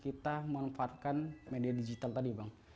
kita manfaatkan media digital tadi bang